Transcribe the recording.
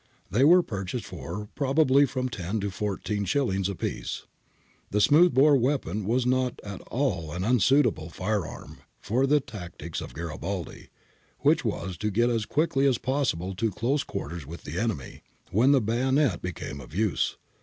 They were purchased for, probably, from ten to fourteen shillings a piece.' ' The smooth bore weapon was not at all an unsuitable fire arm for the tactics of Garibaldi, which was to get as quickly as possible to close quarters with the enemy, when the bayonet became of use.